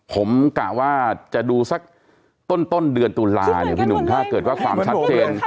ผมกะว่าจะดูสักต้นเดือนตุลาเนี่ยพี่หนุ่มถ้าเกิดว่าความชัดเจน